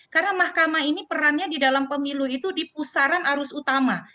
karena mahkamah ini perannya di dalam pemilu itu di pusaran arus utama